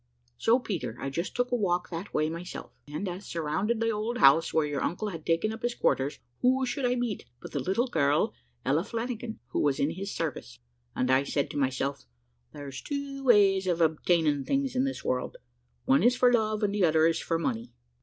"So, Peter, I just took a walk that way myself, and, as I surrounded the old house where your uncle had taken up his quarters, who should I meet but the little girl, Ella Flanagan, who was in his service; and I said to myself, `There's two ways of obtaining things in this world, one is for love, and the other is for money.'